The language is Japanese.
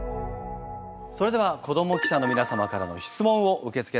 それでは子ども記者の皆様からの質問を受け付けたいと思います。